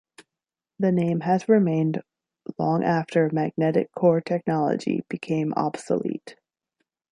The name has remained long after magnetic core technology became obsolete.